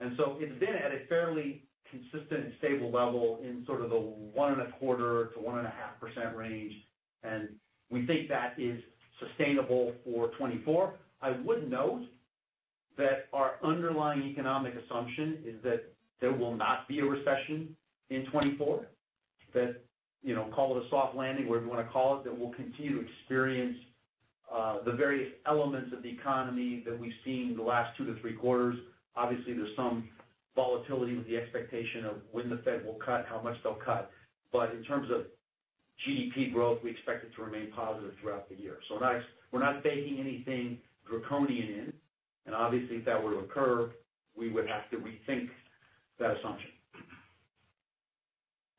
And so it's been at a fairly consistent and stable level in sort of the 1.25%-1.5% range, and we think that is sustainable for 2024. I would note that our underlying economic assumption is that there will not be a recession in 2024, call it a soft landing or whatever you want to call it, that we'll continue to experience the various elements of the economy that we've seen the last 2-3 quarters. Obviously, there's some volatility with the expectation of when the Fed will cut, how much they'll cut. But in terms of GDP growth, we expect it to remain positive throughout the year. So we're not baking anything draconian in. And obviously, if that were to occur, we would have to rethink that assumption.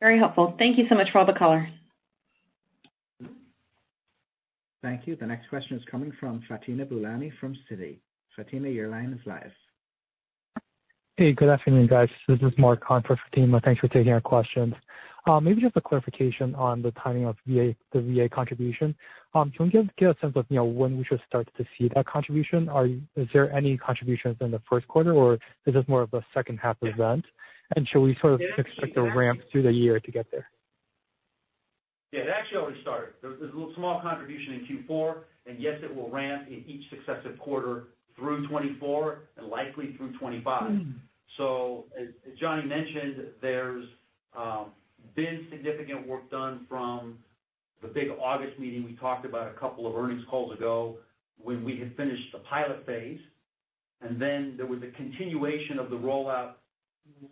Very helpful. Thank you so much, Robert Caller. Thank you. The next question is coming from Fatima Boolani from Citi. Fatima, your line is live. Hey. Good afternoon, guys. This is Mark Kahn for Fatima. Thanks for taking our questions. Maybe just a clarification on the timing of the VA contribution. Can we get a sense of when we should start to see that contribution? Is there any contributions in the Q1, or is this more of the second half of the event? And should we sort of expect to ramp through the year to get there? Yeah. It actually already started. There's a small contribution in Q4, and yes, it will ramp in each successive quarter through 2024 and likely through 2025. So as Johnny mentioned, there's been significant work done from the big August meeting we talked about a couple of earnings calls ago when we had finished the pilot phase. And then there was a continuation of the rollout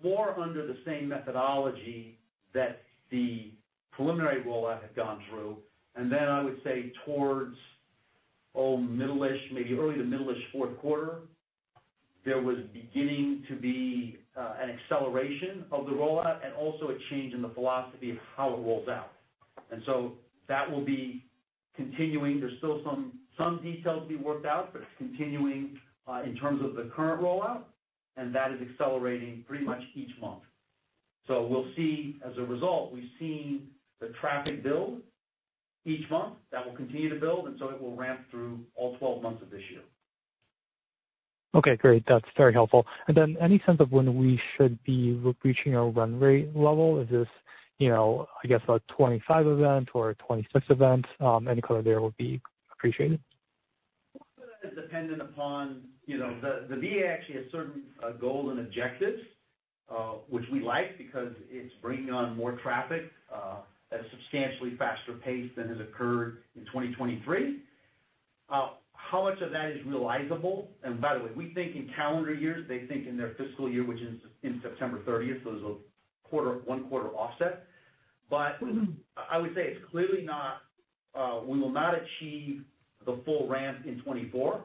more under the same methodology that the preliminary rollout had gone through. Then I would say towards, oh, maybe early to middle-ish Q4, there was beginning to be an acceleration of the rollout and also a change in the philosophy of how it rolls out. So that will be continuing. There's still some details to be worked out, but it's continuing in terms of the current rollout, and that is accelerating pretty much each month. So we'll see as a result, we've seen the traffic build each month. That will continue to build, and so it will ramp through all 12 months of this year. Okay. Great. That's very helpful. Then any sense of when we should be reaching our run rate level? Is this, I guess, a 2025 event or a 2026 event? Any color there would be appreciated. Some of that is dependent upon the VA actually has certain goals and objectives, which we like because it's bringing on more traffic at a substantially faster pace than has occurred in 2023. How much of that is realizable? And by the way, we think in calendar years, they think in their fiscal year, which is in September 30th, so there's a one-quarter offset. But I would say it's clearly not we will not achieve the full ramp in 2024.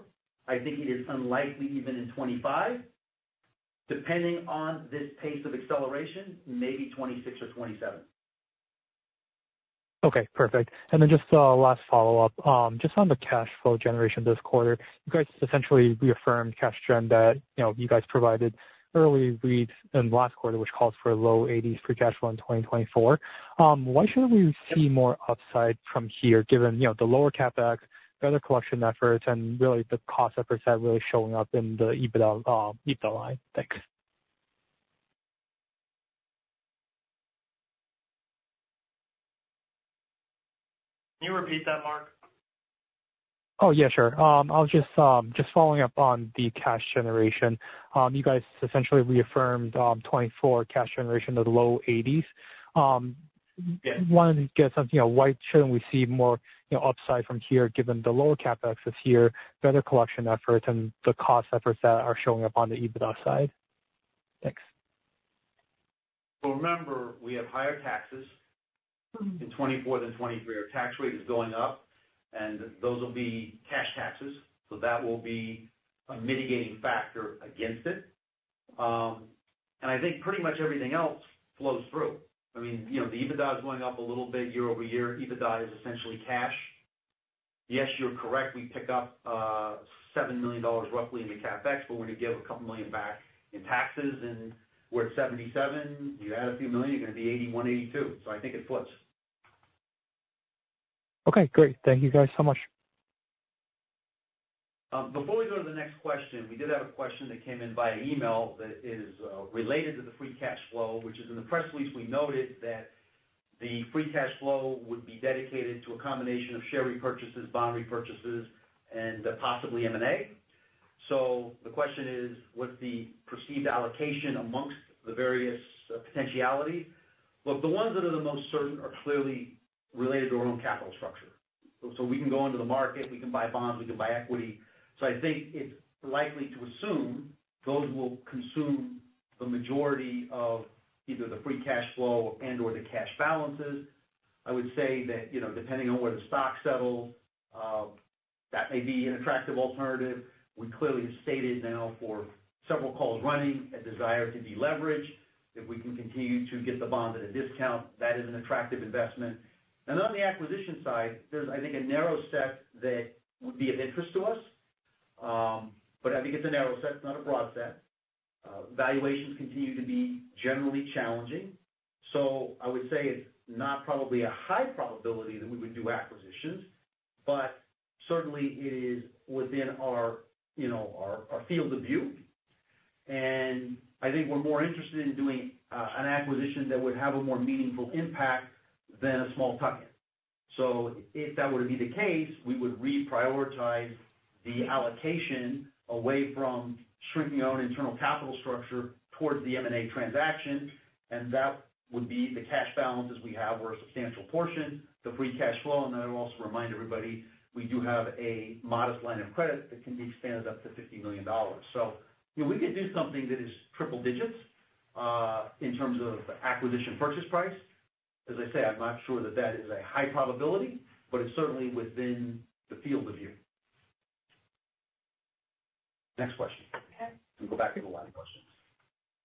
I think it is unlikely even in 2025. Depending on this pace of acceleration, maybe 2026 or 2027. Okay. Perfect. And then just a last follow-up. Just on the cash flow generation this quarter, you guys essentially reaffirmed cash trend that you guys provided early reads in last quarter, which calls for low $80s free cash flow in 2024. Why shouldn't we see more upside from here given the lower CapEx, better collection efforts, and really the cost efforts that are really showing up in the EBITDA line? Thanks. Can you repeat that, Mark? Oh, yeah. Sure. I was just following up on the cash generation. You guys essentially reaffirmed 2024 cash generation at low $80s million. I wanted to get a sense. Why shouldn't we see more upside from here given the lower CapEx this year, better collection efforts, and the cost efforts that are showing up on the EBITDA side? Thanks. Well, remember, we have higher taxes in 2024 than 2023. Our tax rate is going up, and those will be cash taxes. So that will be a mitigating factor against it. And I think pretty much everything else flows through. I mean, the EBITDA is going up a little bit year-over-year. EBITDA is essentially cash. Yes, you're correct. We pick up $7 million roughly in the CapEx, but when you give $2 million back in taxes and we're at $77 million, you add a few million, you're going to be $81 million, $82 million. So I think it flips. Okay. Great. Thank you guys so much. Before we go to the next question, we did have a question that came in via email that is related to the free cash flow, which is in the press release. We noted that the free cash flow would be dedicated to a combination of share repurchases, bond repurchases, and possibly M&A. So the question is, what's the perceived allocation amongst the various potentialities? Look, the ones that are the most certain are clearly related to our own capital structure. So we can go into the market. We can buy bonds. We can buy equity. I think it's likely to assume those will consume the majority of either the free cash flow and/or the cash balances. I would say that depending on where the stock settles, that may be an attractive alternative. We clearly have stated now for several calls running a desire to deleverage. If we can continue to get the bond at a discount, that is an attractive investment. On the acquisition side, there's, I think, a narrow set that would be of interest to us. I think it's a narrow set, not a broad set. Valuations continue to be generally challenging. I would say it's not probably a high probability that we would do acquisitions, but certainly, it is within our field of view. I think we're more interested in doing an acquisition that would have a more meaningful impact than a small tuck-in. So if that were to be the case, we would reprioritize the allocation away from shrinking our own internal capital structure towards the M&A transaction. And that would be the cash balances we have where a substantial portion, the free cash flow. And then I'll also remind everybody, we do have a modest line of credit that can be expanded up to $50 million. So we could do something that is triple digits in terms of acquisition purchase price. As I say, I'm not sure that that is a high probability, but it's certainly within the field of view. Next question. We can go back to the line of questions.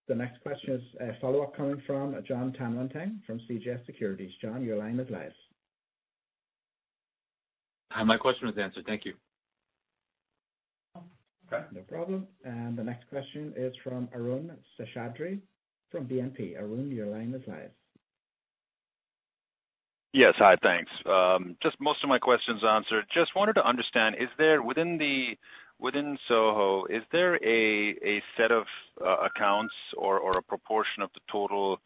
The next question is a follow-up coming from Jon Tanwanteng from CJS Securities. Jon, your line is live. Hi. My question was answered. Thank you. Okay. No problem. And the next question is from Arun Seshadri from BNP. Arun, your line is live. Yes. Hi. Thanks. Just most of my questions answered. Just wanted to understand, within SoHo, is there a set of accounts or a proportion of the total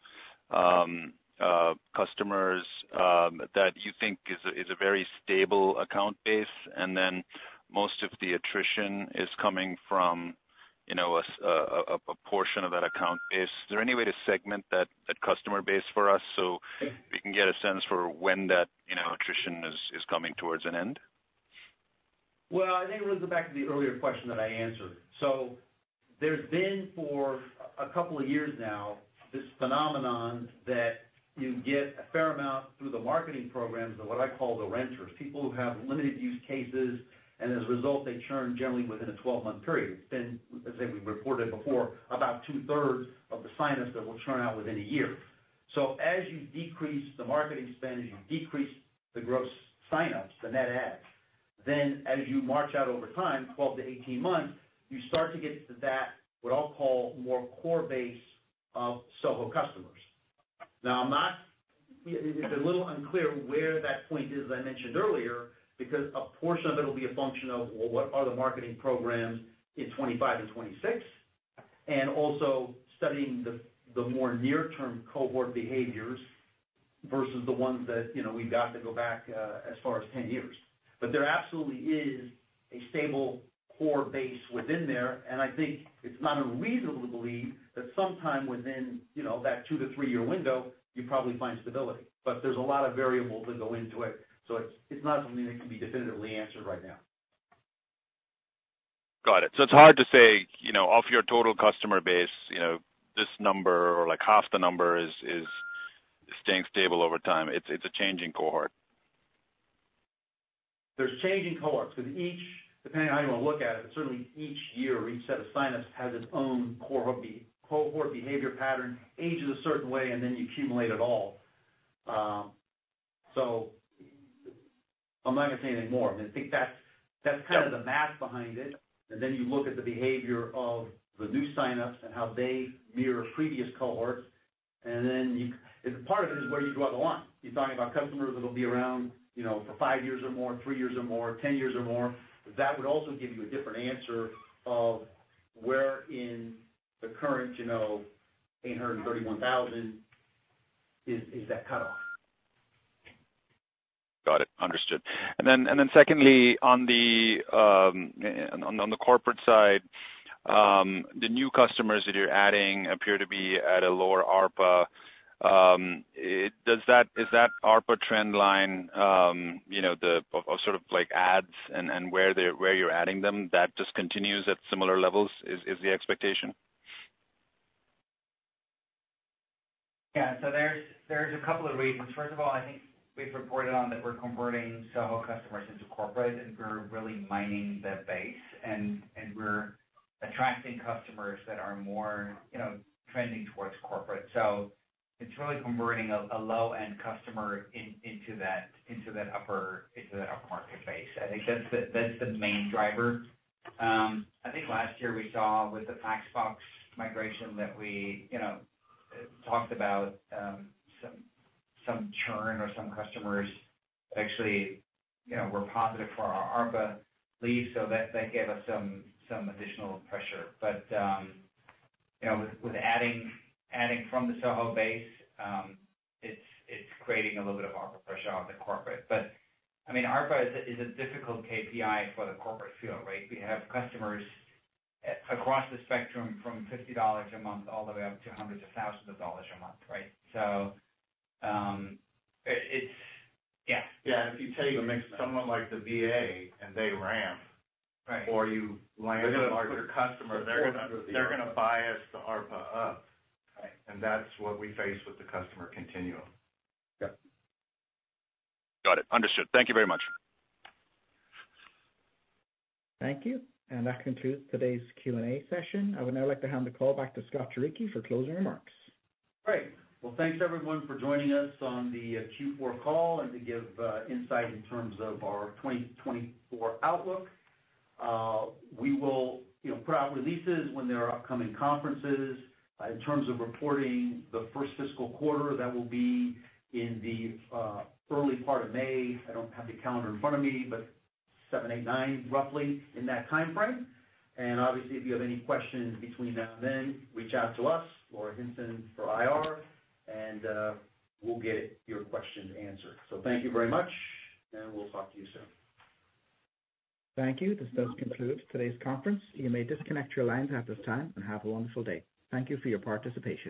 customers that you think is a very stable account base and then most of the attrition is coming from a portion of that account base? Is there any way to segment that customer base for us so we can get a sense for when that attrition is coming towards an end? Well, I think it runs back to the earlier question that I answered. So there's been for a couple of years now this phenomenon that you get a fair amount through the marketing programs of what I call the renters, people who have limited use cases, and as a result, they churn generally within a 12-month period. It's been, as I said, we reported before, about two-thirds of the sign-ups that will churn out within a year. So as you decrease the marketing spend, as you decrease the gross sign-ups, the net adds, then as you march out over time, 12-18 months, you start to get to that what I'll call more core base of SoHo customers. Now, it's a little unclear where that point is, as I mentioned earlier, because a portion of it will be a function of, well, what are the marketing programs in 2025 and 2026 and also studying the more near-term cohort behaviors versus the ones that we've got that go back as far as 10 years. But there absolutely is a stable core base within there, and I think it's not unreasonable to believe that sometime within that 2-3-year window, you probably find stability. But there's a lot of variables that go into it, so it's not something that can be definitively answered right now. Got it. So it's hard to say, off your total customer base, this number or half the number is staying stable over time. It's a changing cohort. There's changing cohorts because depending on how you want to look at it, but certainly, each year or each set of sign-ups has its own cohort behavior pattern, ages a certain way, and then you accumulate it all. So I'm not going to say anything more. I mean, I think that's kind of the math behind it. And then you look at the behavior of the new sign-ups and how they mirror previous cohorts. And then part of it is where you draw the line. You're talking about customers that'll be around for five years or more, three years or more, 10 years or more. That would also give you a different answer of where in the current 831,000 is that cutoff. Got it. Understood. Then secondly, on the corporate side, the new customers that you're adding appear to be at a lower ARPA. Is that ARPA trend line of sort of ads and where you're adding them, that just continues at similar levels? Is the expectation? Yeah. So there's a couple of reasons. First of all, I think we've reported on that we're converting SoHo customers into corporate, and we're really mining that base. And we're attracting customers that are more trending towards corporate. So it's really converting a low-end customer into that upper market base. I think that's the main driver. I think last year, we saw with the FaxBox migration that we talked about some churn or some customers actually were positive for our ARPA lift, so that gave us some additional pressure. But with adding from the SoHo base, it's creating a little bit of ARPA pressure off the corporate. But I mean, ARPA is a difficult KPI for the corporate field, right? We have customers across the spectrum from $50 a month all the way up to hundreds of thousands of dollars a month, right? So yeah. Yeah. And if you take someone like the VA and they ramp or you land a larger customer, they're going to bias the ARPA up. And that's what we face with the customer continuum. Yep. Got it. Understood. Thank you very much. Thank you. And that concludes today's Q&A session. I would now like to hand the call back to Scott Turicchi for closing remarks. Great. Well, thanks, everyone, for joining us on the Q4 call and to give insight in terms of our 2024 outlook. We will put out releases when there are upcoming conferences. In terms of reporting the first fiscal quarter, that will be in the early part of May. I don't have the calendar in front of me, but 7, 8, 9, roughly in that timeframe. Obviously, if you have any questions between now and then, reach out to us, Laura Hinton, for IR, and we'll get your questions answered. So thank you very much, and we'll talk to you soon. Thank you. This does conclude today's conference. You may disconnect your lines at this time and have a wonderful day. Thank you for your participation.